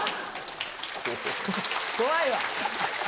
怖いわ！